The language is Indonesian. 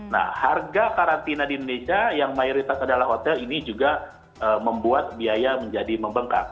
nah harga karantina di indonesia yang mayoritas adalah hotel ini juga membuat biaya menjadi membengkak